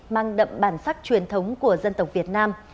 mang đậm bản sắc truyền thống của dân tộc việt nam